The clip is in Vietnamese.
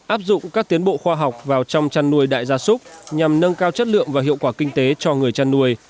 áp dụng các tiến bộ khoa học vào trong chăn nuôi đại gia súc nhằm nâng cao chất lượng và hiệu quả kinh tế cho người chăn nuôi